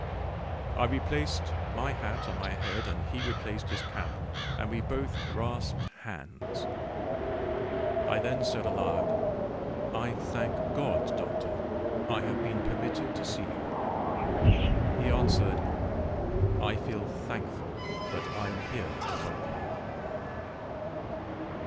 I replaced my hat on my head, and he replaced his cap, and we both grasped hands. I then said aloud: "I thank God, Doctor, I have been permitted to see you." He answered, "I feel thankful that I am here to welcome you."